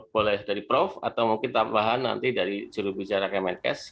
boleh dari prof atau mungkin tambahan nanti dari jurubicara kemenkes